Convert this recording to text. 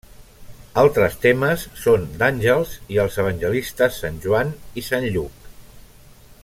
Altres temes són d'àngels i els evangelistes Sant Joan i Sant Lluc.